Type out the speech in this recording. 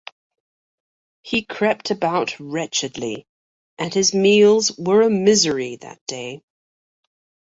He crept about wretchedly, and his meals were a misery that day.